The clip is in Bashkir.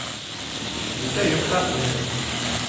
Үтә йомшаҡ ине.